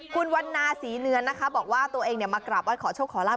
คุณวันนาศรีเนือนนะคะบอกว่าตัวเองมากราบไห้ขอโชคขอลาบ